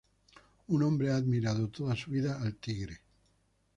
Un hombre ha admirado toda su vida al tigre.